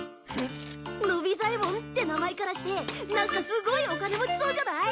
のび左エ門って名前からしてなんかすごいお金持ちそうじゃない？